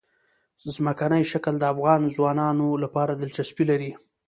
ځمکنی شکل د افغان ځوانانو لپاره دلچسپي لري.